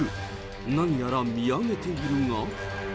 何やら見上げているが。